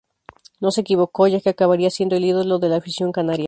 No se equivocó, ya que acabaría siendo el ídolo de la afición canaria.